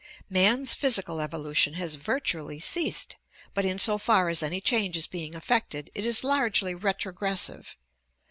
Man's physical evolution has virtually ceased, but in so far as any change is being effected, it is largely retrogressive.